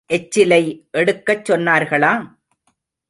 எச்சிலை எடுக்கச் சொன்னாளா?